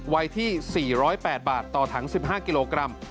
วัยที่๔๐๘บาทต่อถัง๑๕กิโลกรัม